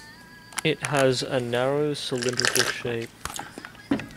It has a narrow cylindrical shape.